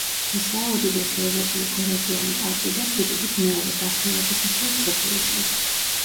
ესაა უდიდესი ევროპული გორაკიანი პარკი და სიდიდით მეორე დახრილობის მხრივ მსოფლიოში.